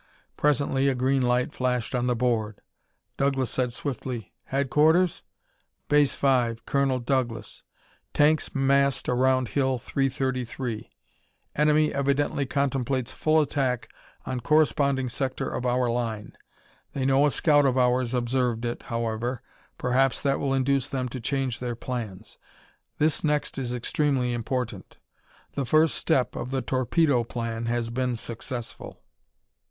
Presently a green light flashed on the board. Douglas said swiftly: "Headquarters? Base 5, Colonel Douglas. Tanks massed around Hill 333; enemy evidently contemplates full attack on corresponding sector of our line. They know a scout of ours observed it, however; perhaps that will induce them to change their plans. This next is extremely important: _The first step of the Torpedo Plan has been successful!"